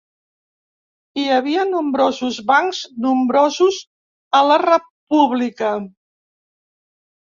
Hi havia nombrosos bancs nombrosos a la república.